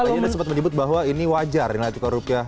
ini sempat menyebut bahwa ini wajar nilai tukar rupiah